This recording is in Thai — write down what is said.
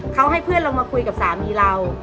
เขาให้เพื่อนเรามาคุยกับสามีเรา